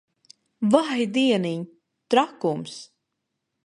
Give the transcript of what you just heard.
Vai dieniņ! Trakums.